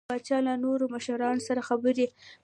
پاچا له نورو مشرانو سره خبرې